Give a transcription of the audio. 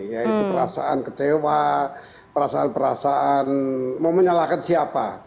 yaitu perasaan kecewa perasaan perasaan memenyalahkan siapa